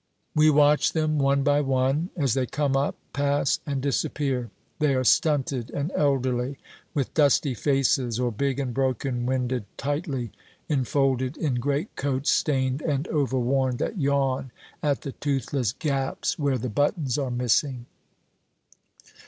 We watch them, one by one, as they come up, pass, and disappear. They are stunted and elderly, with dusty faces, or big and broken winded, tightly enfolded in greatcoats stained and over worn, that yawn at the toothless gaps where the buttons are missing.